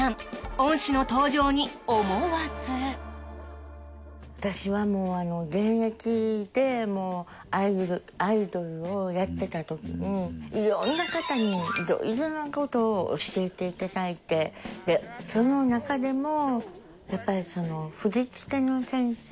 恩師の登場に思わず私はもうあの現役でアイドルをやってたときにいろんな方にいろいろなことを教えていただいてでその中でもやっぱりその振り付けの先生。